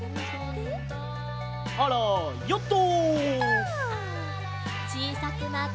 あらヨット！